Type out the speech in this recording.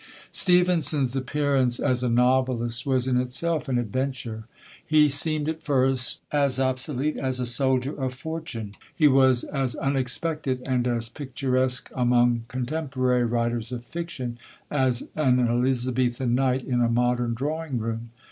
Stevenson's appearance as a novelist was in itself an adventure. He seemed at first as obsolete as a soldier of fortune. He was as unexpected and as picturesque among contemporary writers of fiction as an Elizabethan knight in a modern drawing room.